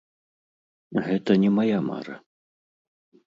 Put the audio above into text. Гэта не мая мара.